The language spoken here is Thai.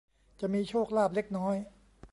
จะมีโชคลาภเล็กน้อย